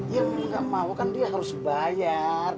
ya nggak mau kan dia harus bayar